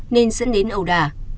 nên dẫn đến ẩu đả